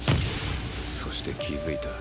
そして気づいた